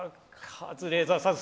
カズレーザーさん